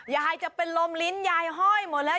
ยายจะเป็นลมลิ้นยายห้อยหมดแล้ว